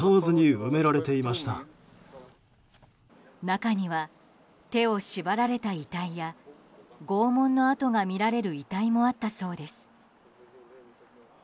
中には、手を縛られた遺体や拷問の痕がみられる遺体もあったそうです。